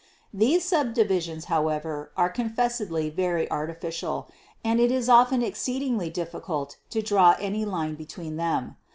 These subdivisions, however, are confessedly very artificial, and it is often exceedingly difficult to draw any line between them.